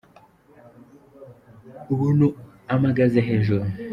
Umuntu amagaze hejuru.